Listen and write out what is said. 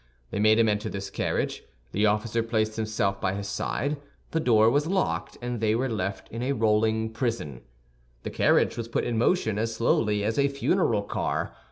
They made him enter this carriage, the officer placed himself by his side, the door was locked, and they were left in a rolling prison. The carriage was put in motion as slowly as a funeral car.